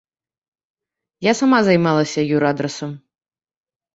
Я сама займалася юрадрасам.